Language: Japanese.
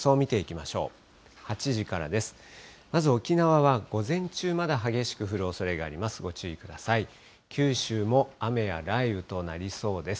まず沖縄は午前中まだ激しく降るおそれがあります。